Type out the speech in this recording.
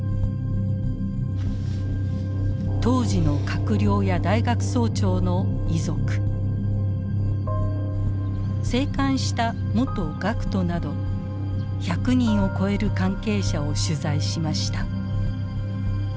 当時の閣僚や大学総長の遺族生還した元学徒など１００人を超える関係者を取材しました。